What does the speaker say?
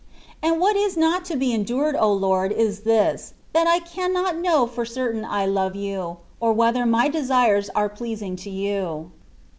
And what is not to be endured, O Lord ! is this, that I cannot know for certain I love you," or whether my desires are pleasing to you.